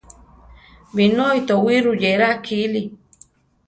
Binói towí ruyéra kili.